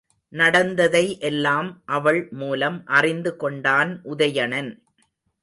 நடந்ததை எல்லாம் அவள் மூலம் அறிந்து கொண்டான் உதயணன்.